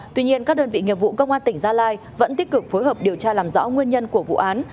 tuy nhiên các đơn vị nghiệp vụ công an tỉnh gia lai vẫn tích cực phối hợp điều tra làm rõ nguyên nhân của vụ án